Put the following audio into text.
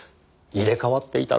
入れ替わっていた？